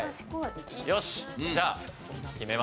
よしじゃあ決めました。